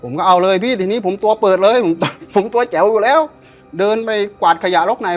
ผมก็เอาเลยพี่ทีนี้ผมตัวเปิดเลยผมตัวแจ๋วอยู่แล้วเดินไปกวาดขยะล็อกใน